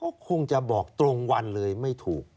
ก็คงจะบอกตรงวันเลยไม่ถูก